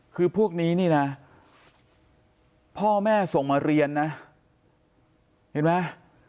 คือพวกนี้นี่นะพ่อแม่ส่งมาเรียนนะเห็นไหม